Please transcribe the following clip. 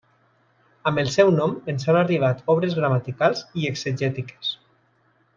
Amb el seu nom ens han arribat obres gramaticals i exegètiques.